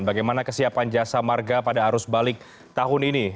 bagaimana kesiapan jasa marga pada arus balik tahun ini